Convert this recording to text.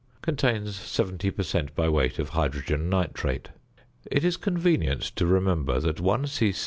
contains 70 per cent. by weight of hydrogen nitrate). It is convenient to remember that one c.